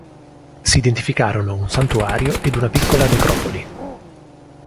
Si identificarono un santuario ed una piccola necropoli.